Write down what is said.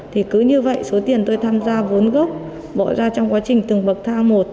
thì cứ như vậy số tiền tôi tham gia vốn gốc bỏ ra trong quá trình từng bậc thang một